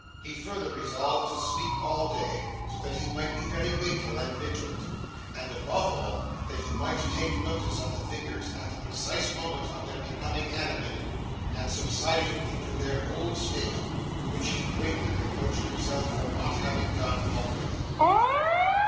He further resolved to sleep all day, so that he might be very wakeful and vigilant, and above all that he might take notice of the figures at the precise moment of their becoming animated and subsiding into their old state, which he greatly reproached himself for not having done already.